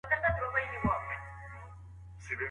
که عامه تشنابونه جوړ سي، نو ښار نه چټلیږي.